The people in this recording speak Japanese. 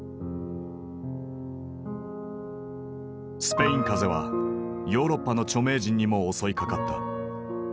スペイン風邪はヨーロッパの著名人にも襲いかかった。